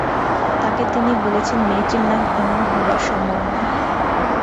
তাঁকে তিনি বলেছেন, মেয়েটির নাম ইমা হবার সম্ভাবনা।